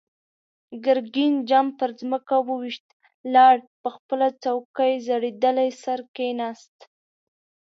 ګرګين جام پر ځمکه و ويشت، لاړ، په خپله څوکۍ زړېدلی سر کېناست.